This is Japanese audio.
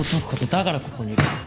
だからここにいる。